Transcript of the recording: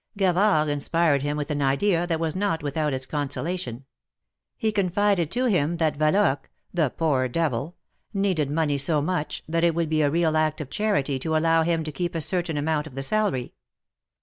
Gavard inspired him with an idea that was not without its consolation. He confided to him that Yaloque — ^Hhe 130 THE MARKETS OF PARIS. poor devil "— needed money so much, that it would be a real act of charity to allow him to keep a certain amount of the salary.